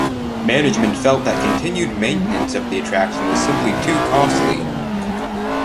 Management felt that continual maintenance of the attraction was simply too costly.